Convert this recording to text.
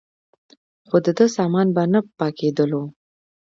خو دده سامان به نه پاکېدلو.